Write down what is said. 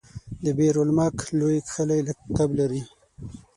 دبیر المک لوی کښلی لقب لري.